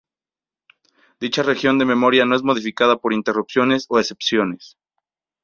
Dicha región de memoria no es modificada por interrupciones o excepciones.